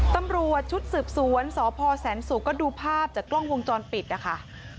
ตำรวจชุดสืบสวนสพแสนสุกก็ดูภาพจากกล้องวงจรปิดนะคะ